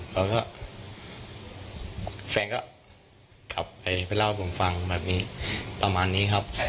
แฟนก็ขับไปเล่าให้ผมฟังแบบนี้ประมาณนี้ครับ